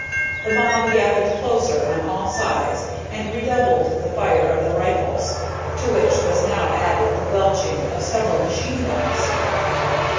The mob gathered closer on all sides and redoubled the fire of the rifles, to which was now added the belching of several machine guns.